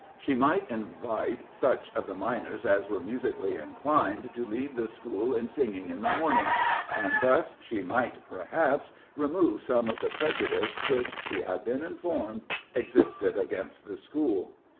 She might invite such of the miners as were musically inclined to lead the school in singing in the morning, and thus she might, perhaps, remove some of the prejudice which, she had been informed, existed against the school.